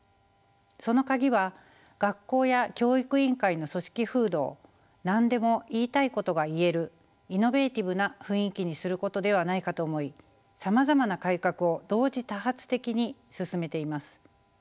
そのカギは学校や教育委員会の組織風土を何でも言いたいことが言えるイノベーティブな雰囲気にすることではないかと思いさまざまな改革を同時多発的に進めています。